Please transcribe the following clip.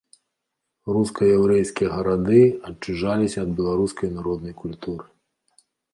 Руска-яўрэйскія гарады адчужаліся ад беларускай народнай культуры.